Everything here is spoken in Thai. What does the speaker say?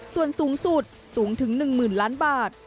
ส่วนสูงสุดสูงถึง๑๐๐๐ล้านบาท